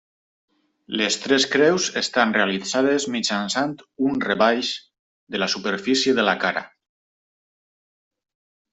Les tres creus estan realitzades mitjançant un rebaix de la superfície de la cara.